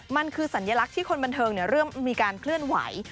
มันคือสัญลักษณ์ที่คนบันเทิงเริ่มมีการเคลื่อนไหว